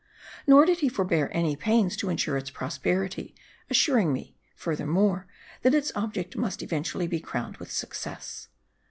Nor did he forbear any pains to insure its prosperity ; assuring me, furthermore, that its object must eventually be crowned with success.